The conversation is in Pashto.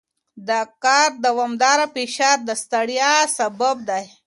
د کار دوامداره فشار د ستړیا سبب دی.